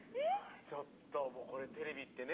ちょっともうテレビってね